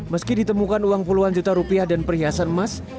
meski ditemukan uang puluhan juta rupiah dan perhiasan emas